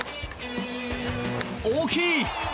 大きい！